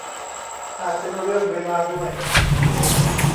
อาจเป็นเรื่องเวลาด้วย